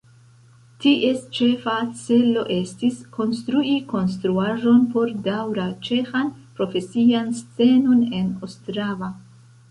Ties ĉefa celo estis konstrui konstruaĵon por daŭra ĉeĥan profesian scenon en Ostrava.